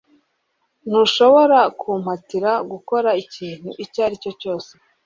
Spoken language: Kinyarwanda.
Ntushobora kumpatira gukora ikintu icyo ari cyo cyose